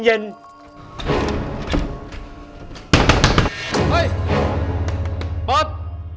เฮ้ยเปิด